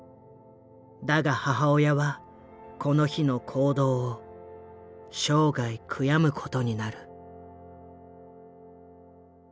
だが母親はこの日の行動を生涯悔やむことになる。